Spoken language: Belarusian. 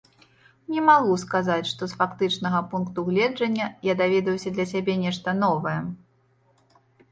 Не магу сказаць, што з фактычнага пункту гледжання я даведаўся для сябе нешта новае.